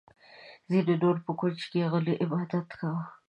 ځینې نورو په کونج کې غلی عبادت کاوه.